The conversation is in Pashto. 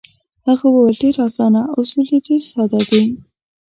هغه وویل: ډېر اسانه، اصول یې ډېر ساده دي.